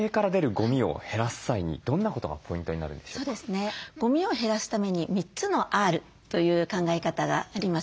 ゴミを減らすために３つのＲという考え方があります。